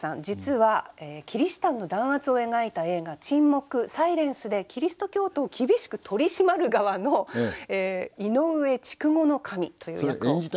実はキリシタンの弾圧を描いた映画「沈黙−サイレンス−」でキリスト教徒を厳しく取り締まる側の井上筑後守という役を。